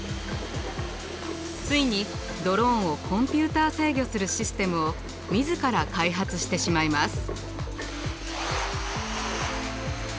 ついにドローンをコンピューター制御するシステムを自ら開発してしまいます。